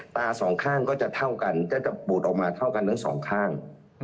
ตาสองข้างก็จะเท่ากันก็จะปูดออกมาเท่ากันทั้งสองข้าง